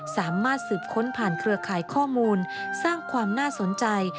สามารถสืบค้นผ่านเครือข่ายข้อมูลสร้างความน่าสนใจ